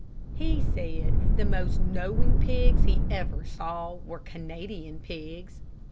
He said the most knowing pigs he ever saw were Canadian pigs.